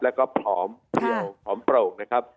แล้วก็ผอมเพี่ยวหอมโปร่งนะครับ